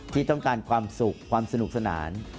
ที่ต้องการความสุขความสนุกสนาน